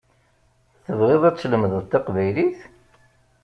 Tebɣiḍ ad tlemded taqbaylit?